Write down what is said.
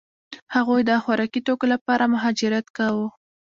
هغوی د خوراکي توکو لپاره مهاجرت کاوه.